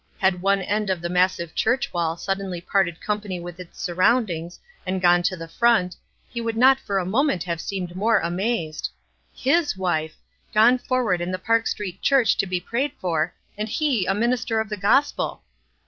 Had one end of the massive church wall suddenly parted company with its surroundings and gone to the front, he could not for the moment have seemed more amazed. Ills wife ! gone forward in the Park Street Church to be prayed for, and he a minister of the gospel